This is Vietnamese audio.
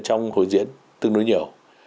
trong hội diễn tương đối nhiều